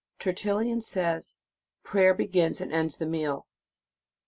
"* Tertullian says: "Prayer begins and ends the meal."